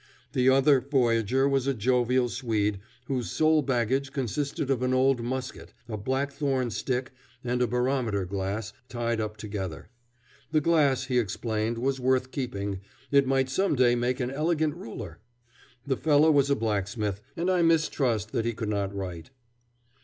The other voyager was a jovial Swede whose sole baggage consisted of an old musket, a blackthorn stick, and a barometer glass, tied up together. The glass, he explained, was worth keeping; it might some day make an elegant ruler. The fellow was a blacksmith, and I mistrust that he could not write.